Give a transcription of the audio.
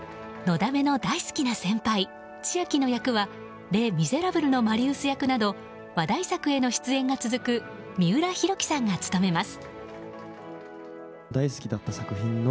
だめの大好きな先輩千秋の役は「レ・ミゼラブル」のマリウス役など話題作への出演が続く三浦宏規さんが務めます。